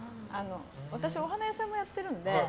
私、お花屋さんもやってるんで。